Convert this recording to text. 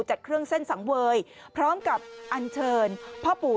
เครื่องเส้นสังเวยพร้อมกับอันเชิญพ่อปู่